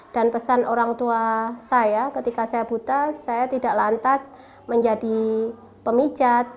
dan pesan orang tua saya ketika saya buta saya tidak lantas menjadi pemijat